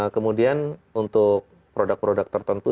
kemudian untuk produk produk tertentu